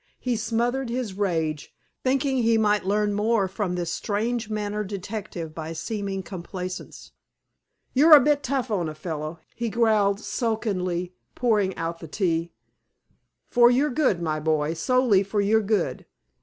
He smothered his rage, thinking he might learn more from this strange mannered detective by seeming complaisance. "You're a bit rough on a fellow," he growled sulkily, pouring out the tea. "For your good, my boy, solely for your good.